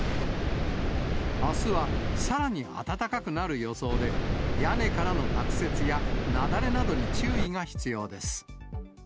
あすはさらに暖かくなる予想で、屋根からの落雪や雪崩などに注意が必要です。